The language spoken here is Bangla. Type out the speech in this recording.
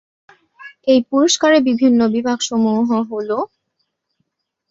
এই পুরস্কারের বিভিন্ন বিভাগসমূহ হল